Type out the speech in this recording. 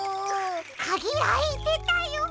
かぎあいてたよ。